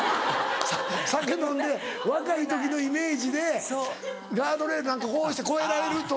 酒飲んで若い時のイメージでガードレールなんかこうして越えられると。